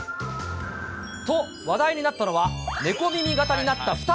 と、話題になったのは、猫耳形になったフタ。